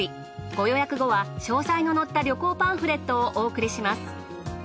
ご予約後は詳細の載った旅行パンフレットをお送りします。